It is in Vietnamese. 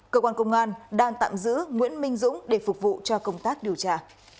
cơ quan công an đang tạm giữ nguyễn minh dũng để phục vụ cho công tác điều tra